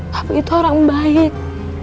tapi itu orang baik